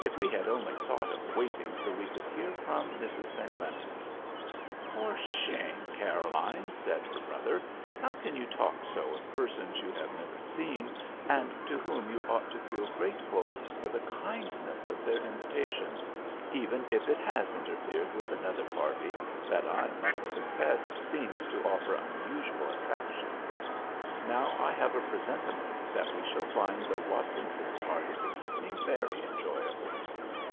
If we had only thought of waiting till we could hear from Mrs. St. Leonard!" "For shame, Caroline," said her brother, "how can you talk so of persons you have never seen, and to whom you ought to feel grateful for the kindness of their invitation; even if it has interfered with another party, that I must confess seems to offer unusual attractions. Now I have a presentiment that we shall find the Watkinson part of the evening very enjoyable."